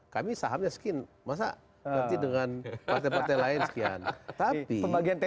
kami sahamnya sekian masa nanti dengan partai partai lain sekian